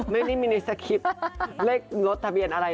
ไม่ได้มีในสคริปต์เลขรถทะเบียนอะไร